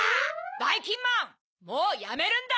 ばいきんまんもうやめるんだ！